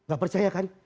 gak percaya kan